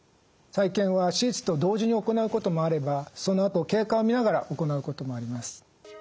再建は手術と同時に行うこともあればそのあと経過を見ながら行うこともあります。